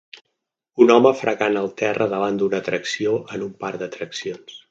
Un home fregant el terra davant d'una atracció en un parc d'atraccions.